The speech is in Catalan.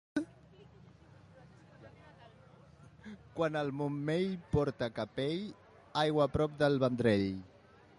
Quan el Montmell porta capell, aigua a prop del Vendrell.